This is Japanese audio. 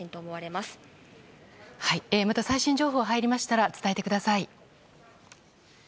また最新情報が入りましたら伝えてください。